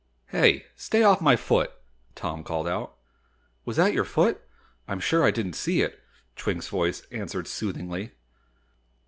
"Hey! Stay off my foot!" Tom called out. "Was that your foot? I'm sure I didn't see it," Twink's voice answered soothingly.